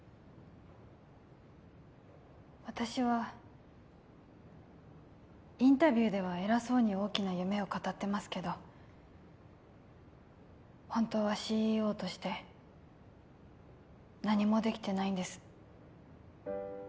私はインタビューでは偉そうに大きな夢を語ってますけど本当はＣＥＯとして何もできてないんです